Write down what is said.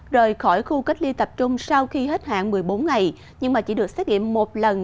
rời khỏi khu cách ly tập trung sau khi hết hạn một mươi bốn ngày nhưng mà chỉ được xét nghiệm một lần